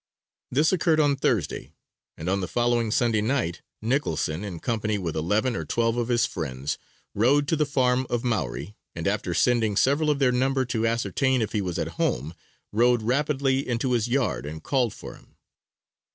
This occurred on Thursday, and on the following Sunday night, Nicholson, in company with eleven or twelve of his friends, rode to the farm of Maury, and after sending several of their number to ascertain if he was at home, rode rapidly into his yard and called for him.